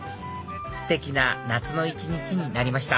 ステキな夏の一日になりました